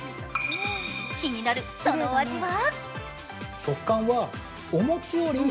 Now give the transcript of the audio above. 気になる、そのお味は？